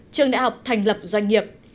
trường đại học thành lập doanh nghiệp